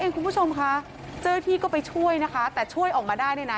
คุณผู้ชมค่ะเจ้าหน้าที่ก็ไปช่วยนะคะแต่ช่วยออกมาได้เนี่ยนะ